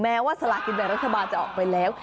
แม้ว่าศรัทธาขินแบบรัฐบาลจะออกไปแล้ว